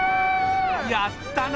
やったな！